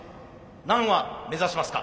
何羽目指しますか？